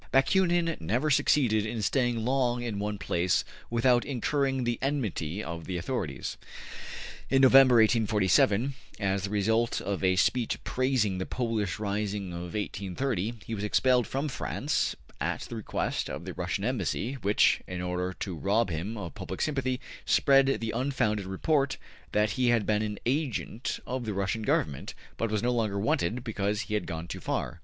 Bakunin never succeeded in staying long in one place without incurring the enmity of the authorities. In November, 1847, as the result of a speech praising the Polish rising of 1830, he was expelled from France at the request of the Russian Embassy, which, in order to rob him of public sympathy, spread the unfounded report that he had been an agent of the Russian Government, but was no longer wanted because he had gone too far.